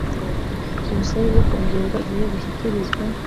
Ubusabe bwo kongererwa igihe bushyikirizwa